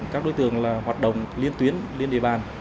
các đối tượng hoạt động liên tuyến liên địa bàn